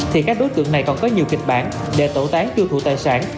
thì các đối tượng này còn có nhiều kịch bản để tẩu tán tiêu thụ tài sản